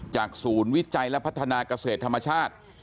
จากศูนย์วิจัยและพัฒนากเศรษฐ์ธรรมชาติ